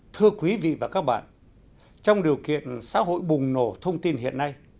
thưa quý vị và các bạn trong điều kiện xã hội bùng nổ thông tin hiện nay